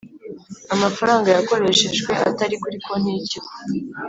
nta mafaranga yakoreshejwe atari kuri konti yikigo